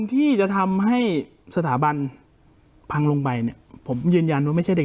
ที่จะทำให้สถาบันพังลงไปเนี่ยผมยืนยันว่าไม่ใช่เด็ก